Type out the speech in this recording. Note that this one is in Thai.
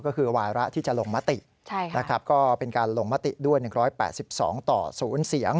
ก็คือวาระที่จะลงมตินะครับก็เป็นการลงมติด้วย๑๘๒ต่อ๐เสียง